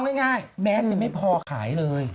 เอาง่ายแมสยังไม่พอขายเลย